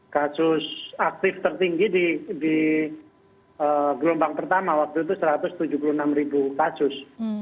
kasus aktif tertinggi di gelombang pertama waktu itu satu ratus tujuh puluh enam ribu kasus